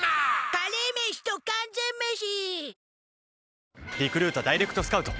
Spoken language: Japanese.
カレーメシと完全メシ